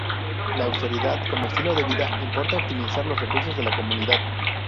La austeridad como estilo de vida, importa optimizar los recursos de la comunidad.